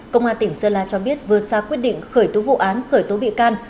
công an tỉnh sơn la cho biết vừa ra quyết định khởi tố vụ án khởi tố bị can